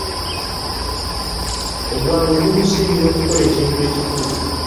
Obwangu bumusingira okukola ekintu ekituufu.